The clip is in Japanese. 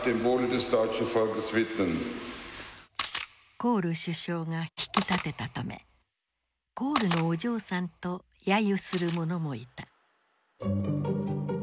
コール首相が引き立てたため「コールのお嬢さん」と揶揄する者もいた。